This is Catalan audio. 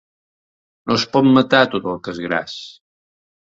No es pot matar tot el que és gras.